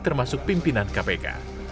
termasuk pimpinan kpk